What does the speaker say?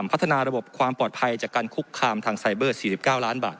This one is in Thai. พัฒนาระบบความปลอดภัยจากการคุกคามทางไซเบอร์๔๙ล้านบาท